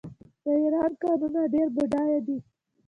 د ایران کانونه ډیر بډایه دي.